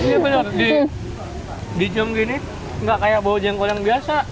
iya benar dijam gini nggak kayak bawa jengkol yang biasa